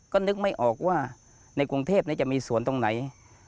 ก็นึกไม่ออกว่าในกรุงเทพจะมีสวนตรงไหน